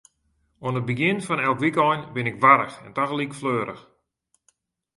Oan it begjin fan elk wykein bin ik warch en tagelyk fleurich.